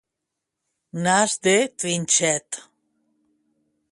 Nas de trinxet.